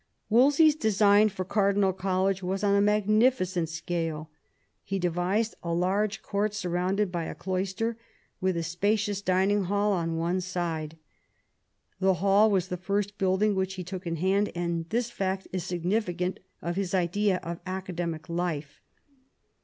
Wolsey's design for Cardinal College was on a mag nificent scale. He devised a large court surrounded by a cloister, with a spacious dining hall on one side. The hall was the first building which he took in hand, and this fact is significant of his idea of academic life.